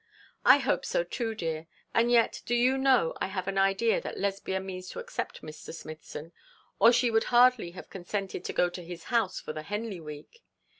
'I hope so too, dear; and yet do you know I have an idea that Lesbia means to accept Mr. Smithson, or she would hardly have consented to go to his house for the Henley week.